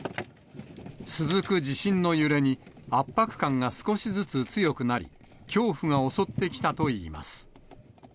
続く地震の揺れに、圧迫感が少しずつ強くなり、恐怖が襲ってきたといいます。